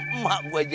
emak gue jahat banget